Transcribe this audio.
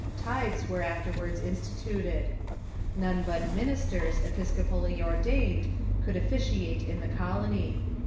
Tithes were afterwards instituted. None but ministers episcopally ordained could officiate in the colony.